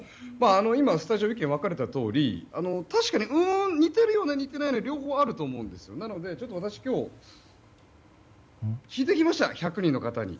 今、スタジオで意見が分かれたとおり似てる、似てない両方あると思うんですがなのでちょっと私、今日聞いてきました１００人の方に。